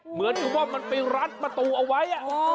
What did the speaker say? เหมือนกับว่ามันไปรัดประตูเอาไว้